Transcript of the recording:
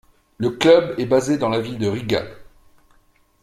Le club est basé dans la ville de Riga.